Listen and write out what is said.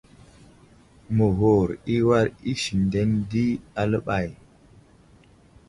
Məghur i war isendene di aləɓay.